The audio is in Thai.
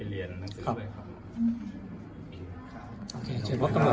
ครับเขาเข้าให้ไปเรียนหนังสือด้วยครับครับโอเค